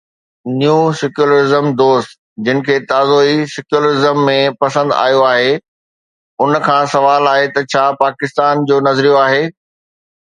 ”نيو secular دوست“ جن کي تازو ئي سيڪيولرزم پسند آيو آهي، تن کان سوال آهي ته ڇا پاڪستان جو نظريو آهي؟